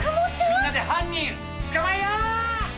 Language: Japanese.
⁉みんなで犯人捕まえよう！